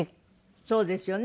そうですよね